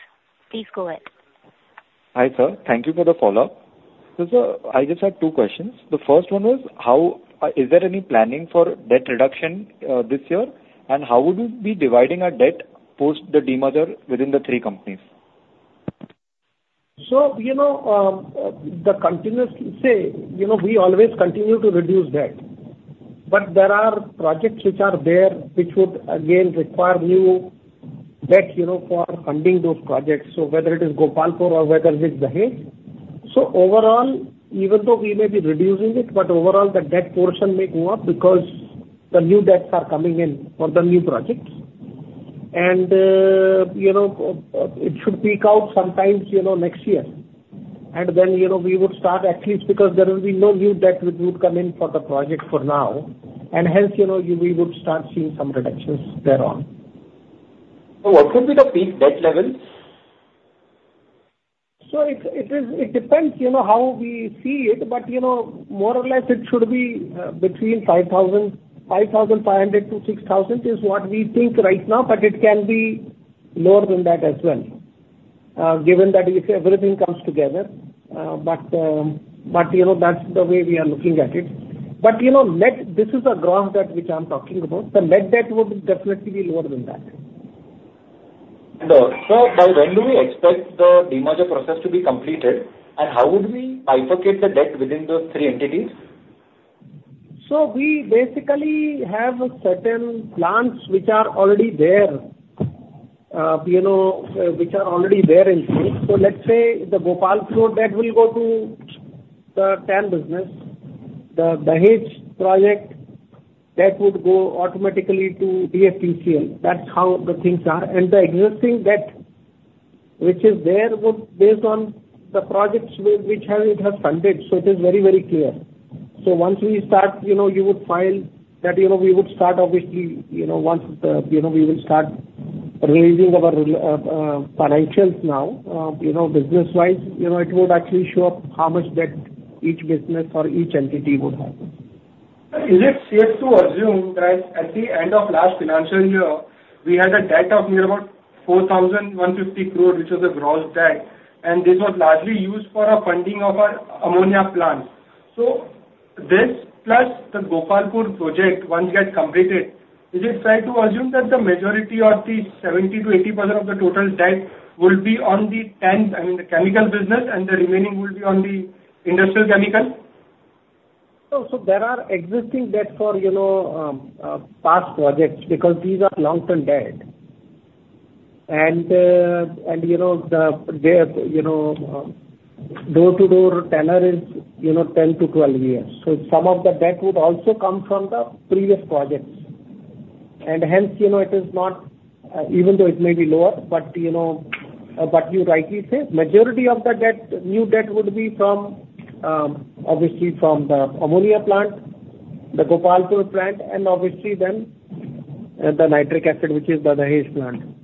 Please go ahead. Hi sir. Thank you for the follow-up. So sir, I just had two questions. The first one was, is there any planning for debt reduction this year, and how would we be dividing our debt post the demerger within the three companies? So the continuous say, we always continue to reduce debt. But there are projects which are there which would again require new debt for funding those projects. So whether it is Gopalpur or whether it is Dahej. So overall, even though we may be reducing it, but overall, the debt portion may go up because the new debts are coming in for the new projects. And it should peak out sometime next year. And then we would start at least because there will be no new debt which would come in for the project for now. And hence, we would start seeing some reductions thereon. What would be the peak debt level? So it depends how we see it, but more or less, it should be between 5,500-6,000, is what we think right now, but it can be lower than that as well, given that everything comes together. But that's the way we are looking at it. But this is the graph that which I'm talking about. The net debt would definitely be lower than that. By when do we expect the demerger process to be completed, and how would we bifurcate the debt within those three entities? So we basically have certain plants which are already there, which are already there in place. So let's say the Gopalpur debt will go to the TAN business. The Dahej project, that would go automatically to DFTCL. That's how the things are. And the existing debt which is there would, based on the projects which it has funded, so it is very, very clear. So once we start, you would file that we would start, obviously, once we will start releasing our financials now, business-wise, it would actually show up how much debt each business or each entity would have. Is it safe to assume that at the end of last financial year, we had a debt of near about 4,150 crore, which was a gross debt, and this was largely used for our funding of our ammonia plant? So this plus the Gopalpur project, once it gets completed, is it fair to assume that the majority of the 70%-80% of the total debt will be on the TAN, I mean, the chemical business, and the remaining will be on the industrial chemical? So there are existing debts for past projects because these are long-term debt. And the door-to-door tenor is 10-12 years. So some of the debt would also come from the previous projects. And hence, it is not, even though it may be lower, but you rightly say, majority of the new debt would be from, obviously, from the ammonia plant, the Gopalpur plant, and obviously, then the nitric acid, which is the Dahej plant.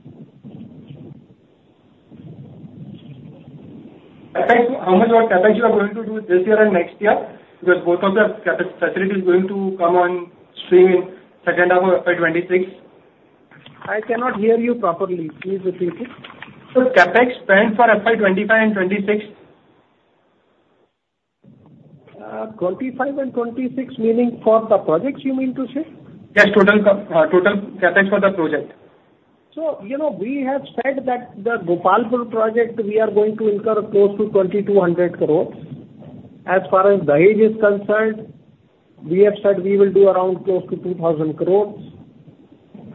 Thank you. How much of CapEx you are going to do this year and next year? Because both of the CapEx facilities are going to come on stream in second half of FY 2026. I cannot hear you properly. Please repeat it. CapEx spent for FY 2025 and 2026? 25 and 26, meaning for the projects, you mean to say? Yes. Total CapEx for the project. We have said that the Gopalpur project, we are going to incur close to 2,200 crore. As far as Dahej is concerned, we have said we will do around close to 2,000 crore.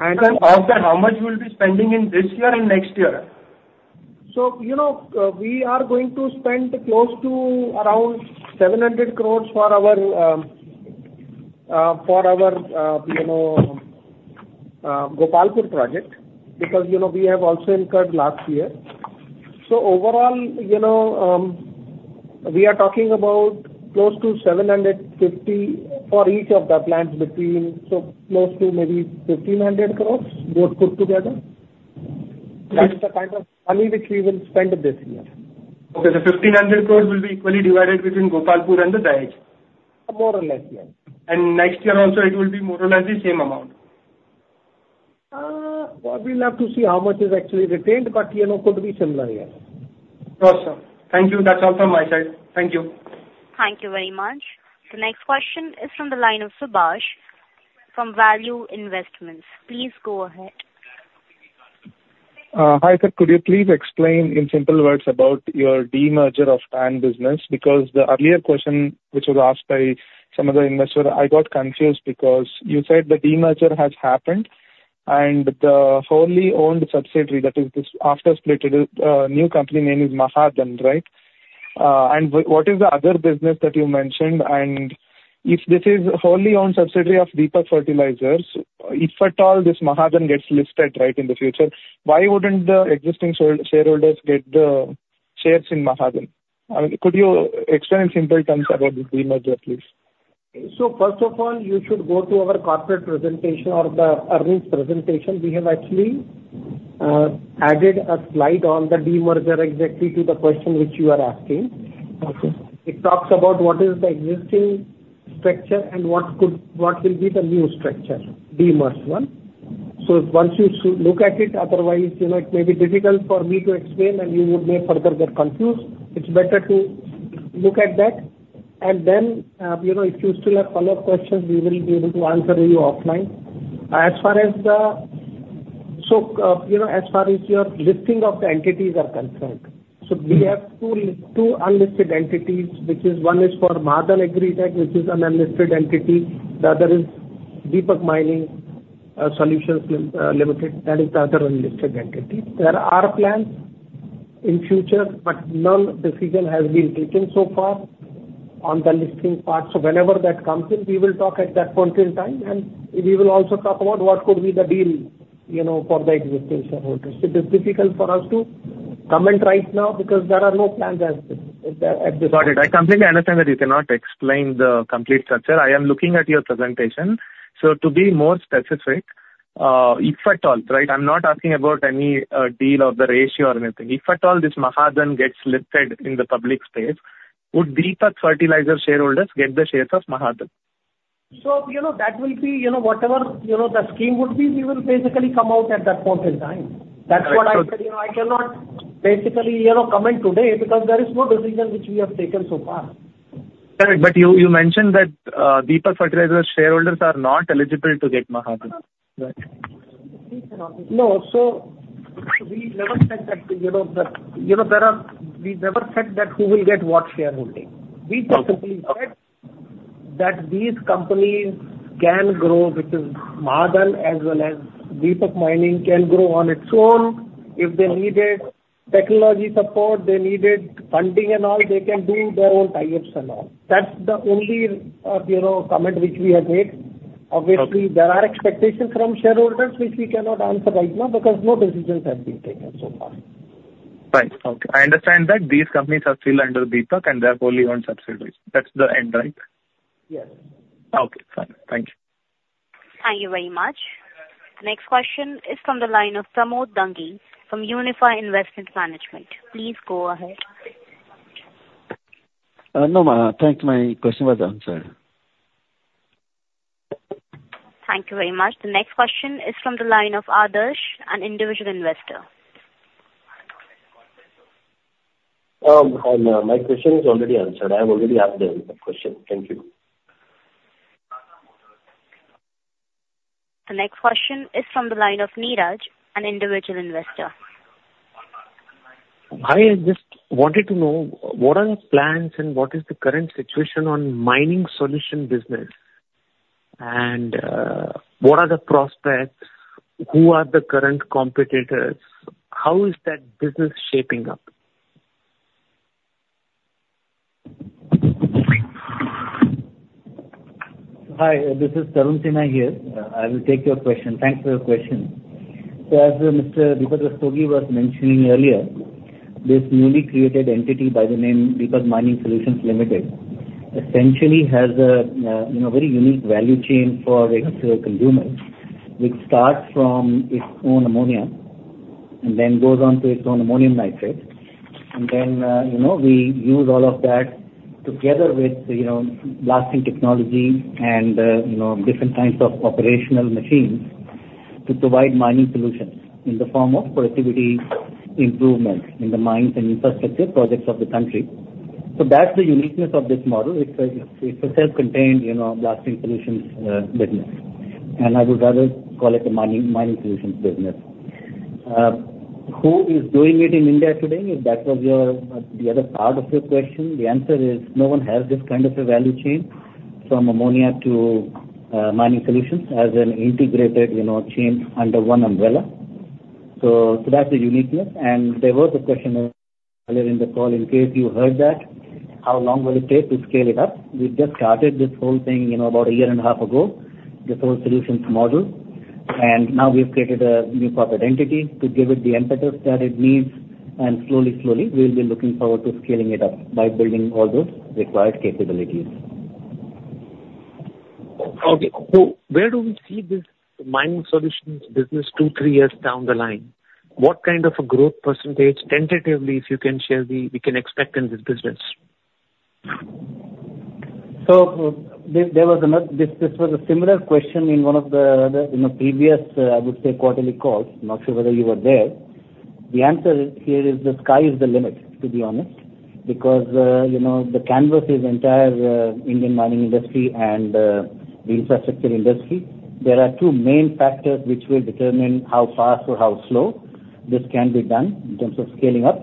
Off the how much will be spending in this year and next year? So we are going to spend close to around 700 crore for our Gopalpur project because we have also incurred last year. So overall, we are talking about close to 750 crore for each of the plants between, so close to maybe 1,500 crore both put together. That's the kind of money which we will spend this year. Okay. So 1,500 crore will be equally divided between Gopalpur and the Dahej? More or less, yes. Next year also, it will be more or less the same amount? We'll have to see how much is actually retained, but it could be similar, yes. Of course, sir. Thank you. That's all from my side. Thank you. Thank you very much. The next question is from the line of Subhash from Value Investments. Please go ahead. Hi sir. Could you please explain in simple words about your demerger of TAN business? Because the earlier question which was asked by some of the investors, I got confused because you said the demerger has happened, and the wholly owned subsidiary, that is this after-split, new company name is Mahadhan, right? And what is the other business that you mentioned? And if this is wholly owned subsidiary of Deepak Fertilisers, if at all this Mahadhan gets listed right in the future, why wouldn't the existing shareholders get the shares in Mahadhan? I mean, could you explain in simple terms about the demerger, please? So first of all, you should go to our corporate presentation or the earnings presentation. We have actually added a slide on the demerger exactly to the question which you are asking. It talks about what is the existing structure and what will be the new structure, demerged one. So once you look at it, otherwise, it may be difficult for me to explain, and you would may further get confused. It's better to look at that. And then if you still have follow-up questions, we will be able to answer you offline. As far as your listing of the entities are concerned, so we have two unlisted entities, which is one is for Mahadhan Agritech, which is an unlisted entity. The other is Deepak Mining Solutions Limited. That is the other unlisted entity. There are plans in future, but no decision has been taken so far on the listing part. So whenever that comes in, we will talk at that point in time, and we will also talk about what could be the deal for the existing shareholders. It is difficult for us to comment right now because there are no plans as of this. Got it. I completely understand that you cannot explain the complete structure. I am looking at your presentation. So to be more specific, if at all, right, I'm not asking about any deal or the ratio or anything. If at all this Mahadhan gets listed in the public space, would Deepak Fertilisers shareholders get the shares of Mahadhan? That will be whatever the scheme would be, we will basically come out at that point in time. That's what I said. I cannot basically comment today because there is no decision which we have taken so far. Correct. But you mentioned that Deepak Fertilisers shareholders are not eligible to get Mahadhan. Right. No. So we never said that there are we never said that who will get what shareholding. We just simply said that these companies can grow, which is Mahadhan as well as Deepak Mining can grow on its own. If they needed technology support, they needed funding and all, they can do their own tie-ups and all. That's the only comment which we have made. Obviously, there are expectations from shareholders which we cannot answer right now because no decisions have been taken so far. Right. Okay. I understand that these companies are still under Deepak and they are wholly owned subsidiaries. That's the end, right? Yes. Okay. Fine. Thank you. Thank you very much. The next question is from the line of Pramod Dangi from Unifi Capital. Please go ahead. No, ma'am. I think my question was answered. Thank you very much. The next question is from the line of Adarsh, an individual investor. My question is already answered. I have already asked the question. Thank you. The next question is from the line of Neeraj, an individual investor. I just wanted to know what are the plans and what is the current situation on Mining Solutions Business? And what are the prospects? Who are the current competitors? How is that business shaping up? Hi. This is Tarun Sinha here. I will take your question. Thanks for your question. As Mr. Deepak Rastogi was mentioning earlier, this newly created entity by the name Deepak Mining Solutions Limited essentially has a very unique value chain for its consumers, which starts from its own ammonia and then goes on to its own ammonium nitrate. And then we use all of that together with blasting technology and different kinds of operational machines to provide mining solutions in the form of productivity improvements in the mines and infrastructure projects of the country. That's the uniqueness of this model. It's a self-contained blasting solutions business. And I would rather call it a mining solutions business. Who is doing it in India today? If that was the other part of your question, the answer is no one has this kind of a value chain from ammonia to mining solutions as an integrated chain under one umbrella. So that's the uniqueness. And there was a question earlier in the call, in case you heard that, how long will it take to scale it up? We just started this whole thing about a year and a half ago, this whole solutions model. And now we have created a new corporate entity to give it the impetus that it needs. And slowly, slowly, we'll be looking forward to scaling it up by building all those required capabilities. Okay. So where do we see this Mining Solutions Business 2-3 years down the line? What kind of a growth percentage, tentatively, if you can share what we can expect in this business? So this was a similar question in one of the previous, I would say, quarterly calls. Not sure whether you were there. The answer here is the sky is the limit, to be honest, because the canvas is entire Indian mining industry and the infrastructure industry. There are two main factors which will determine how fast or how slow this can be done in terms of scaling up.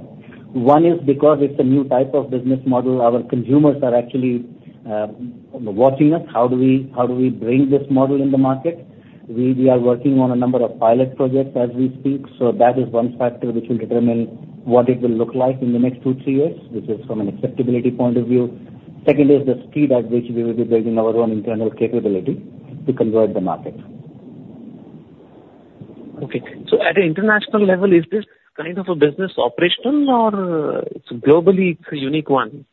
One is because it's a new type of business model. Our consumers are actually watching us. How do we bring this model in the market? We are working on a number of pilot projects as we speak. So that is one factor which will determine what it will look like in the next two, three years, which is from an acceptability point of view. Second is the speed at which we will be building our own internal capability to convert the market. Okay. So at an international level, is this kind of a business operational, or globally, it's a unique one?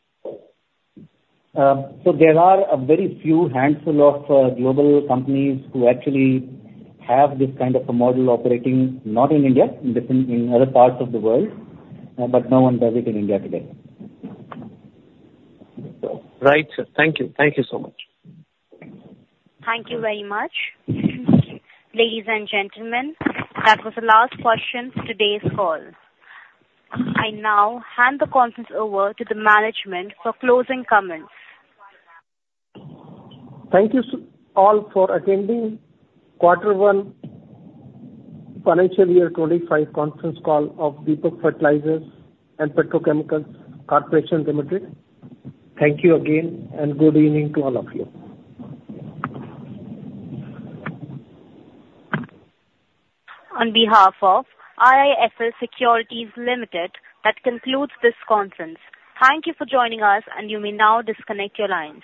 There are a very few handful of global companies who actually have this kind of a model operating, not in India, in other parts of the world, but no one does it in India today. Right. Thank you. Thank you so much. Thank you very much. Ladies and gentlemen, that was the last question for today's call. I now hand the conference over to the management for closing comments. Thank you all for attending Quarter One, Financial Year 25 Conference Call of Deepak Fertilisers and Petrochemicals Corporation Limited. Thank you again, and good evening to all of you. On behalf of IIFL Securities Limited, that concludes this conference. Thank you for joining us, and you may now disconnect your lines.